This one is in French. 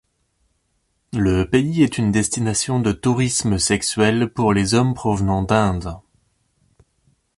Le pays est une destination de tourisme sexuel pour les hommes provenant d'Inde.